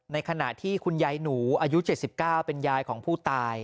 ในขณะที่คุณยายหนูอายุ๗๙เป็นยายของผู้ตาย